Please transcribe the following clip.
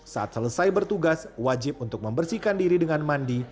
saat selesai bertugas wajib untuk membersihkan diri dengan mandi